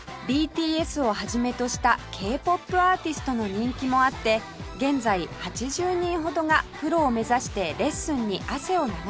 ＢＴＳ を始めとした Ｋ−ＰＯＰ アーティストの人気もあって現在８０人ほどがプロを目指してレッスンに汗を流しています